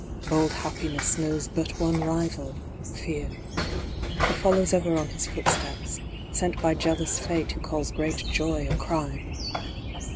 Bold Happiness knows but one rival Fear; Who follows ever on his footsteps, sent By jealous Fate who calls great joy a crime.